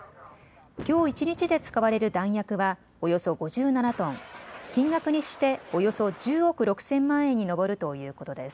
きょう一日で使われる弾薬はおよそ５７トン、金額にしておよそ１０億６０００万円に上るということです。